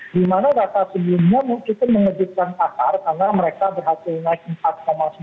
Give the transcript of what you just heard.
di mana data sebelumnya cukup mengejutkan pasar karena mereka berhasil naik empat sembilan